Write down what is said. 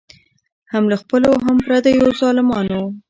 هم له خپلو هم پردیو ظالمانو